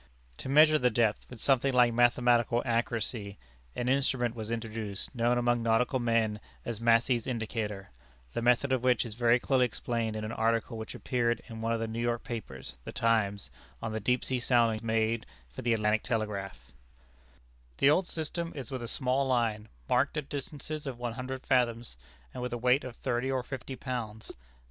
To measure the depth with something like mathematical accuracy, an instrument was introduced known among nautical men as Massey's Indicator, the method of which is very clearly explained in an article which appeared in one of the New York papers, (The Times,) on the deep sea soundings made for the Atlantic Telegraph: "The old system is with a small line, marked at distances of one hundred fathoms, and with a weight of thirty or fifty pounds, the depth being told by the length of line run out.